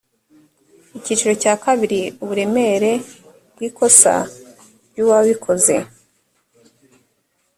icyiciro cya kabiri uburemere bw ikosa ryu uwabikoze